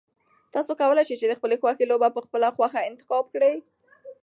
تاسو کولای شئ چې د خپلې خوښې لوبه په خپله خوښه انتخاب کړئ.